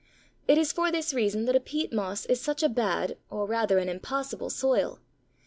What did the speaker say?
It is for this reason that a peat moss is such a bad or rather an impossible soil.